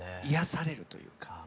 癒やされるというか。